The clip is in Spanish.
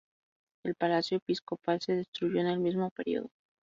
El palacio episcopal se destruyó en el mismo período.